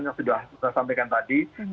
yang sudah saya sampaikan tadi